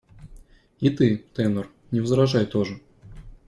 И ты, тенор, не возражай тоже.